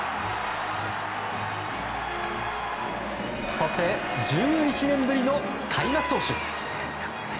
そして、１１年ぶりの開幕投手。